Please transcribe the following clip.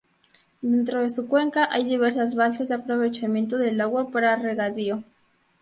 Dentro de su cuenca hay diversas balsas de aprovechamiento del agua para regadío.